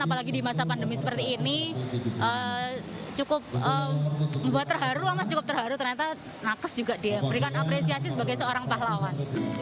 apalagi di masa pandemi seperti ini cukup membuat terharu cukup terharu ternyata nakes juga diberikan apresiasi sebagai seorang pahlawan